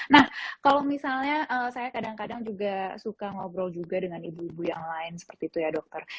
nah kalau misalnya saya kadang kadang juga suka ngobrol juga dengan ibu ibu yang lain seperti itu ya dokter